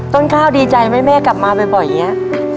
ต้นข้าวดีใจไหมแม่กลับมาบ่อยอย่างนี้